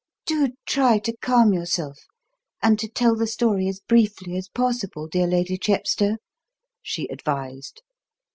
"Do try to calm yourself and to tell the story as briefly as possible, dear Lady Chepstow," she advised.